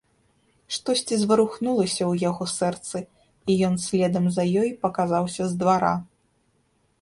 Штосьці зварухнулася ў яго сэрцы, і ён следам за ёй паказаўся з двара.